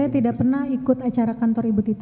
saya tidak pernah ikut acara kantor ibu tita